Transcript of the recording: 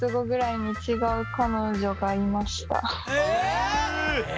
え！